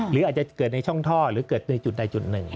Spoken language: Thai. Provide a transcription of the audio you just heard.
หรืออาจจะเกิดในช่องท่อหรือเกิดในจุดใดจุดหนึ่ง